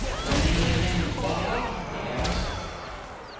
"Were any of them bald?" he asked.